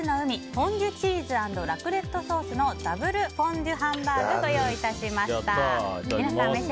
フォンデュチーズ＆ラクレットソースのＷフォンデュハンバーグをご用意いたしました。